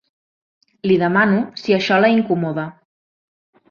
Li demano si això la incomoda.